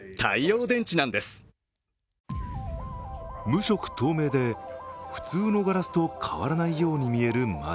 無色透明で、普通のガラスと変わらないように見える窓。